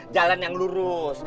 jalan yang lurus